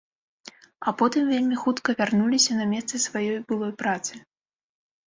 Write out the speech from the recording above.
А потым вельмі хутка вярнуліся на месцы сваёй былой працы.